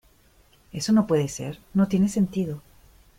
eso no puede ser, no tiene sentido.